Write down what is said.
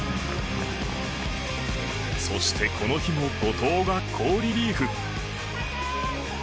そして、この日も後藤が好リリーフ。